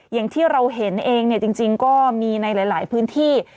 อย่างที่เราเห็นเองเนี่ยจริงก็มีในหลายพื้นที่